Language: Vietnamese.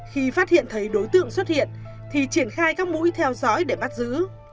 khi phát hiện thấy đối tượng xuất hiện thì triển khai các mũi theo dõi để bắt giữ